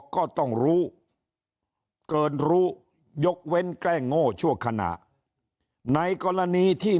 ก็ต้องรู้เกินรู้ยกเว้นแกล้งโง่ชั่วขณะในกรณีที่